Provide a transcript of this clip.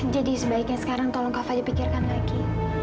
jadi sebaiknya sekarang tolong kak fadil pikirkan lagi